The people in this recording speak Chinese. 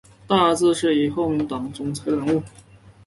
大字是以后成为党总裁的人物